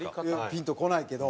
ピンとこないけど。